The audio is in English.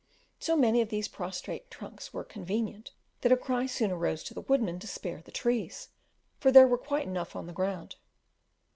So many of these prostrate trunks were "convenient," that a cry soon arose to the woodman to "spare the trees," for there were quite enough on the ground.